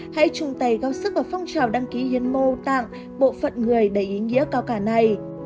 hãy trùng tầy góp sức và phong trào đăng ký hiến mô tạng bộ phận người đầy ý nghĩa cao cả này